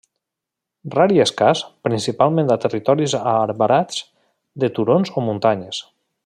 Rar i escàs, principalment a territoris arbrats de turons o muntanyes.